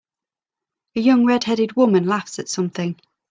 A young redheaded woman laughs at something.